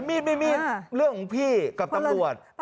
มีดไม่มีมีดเรื่องของพี่กับตำรวจ